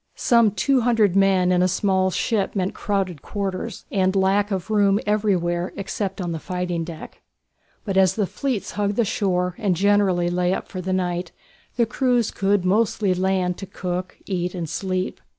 Some two hundred men in a small ship meant crowded quarters, and lack of room everywhere except on the fighting deck. But as the fleets hugged the shore, and generally lay up for the night, the crews could mostly land to cook, eat, and sleep.